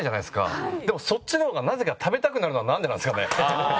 でもそっちの方がなぜか食べたくなるのはなんでなんですかね？